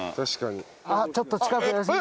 あっちょっと近くですね。